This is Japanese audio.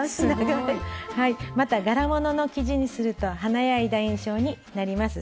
また柄物の生地にすると華やいだ印象になります。